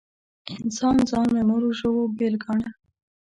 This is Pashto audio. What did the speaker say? انسان ځان له نورو ژوو بېل ګاڼه.